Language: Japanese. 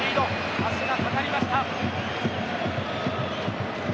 足がかかりました。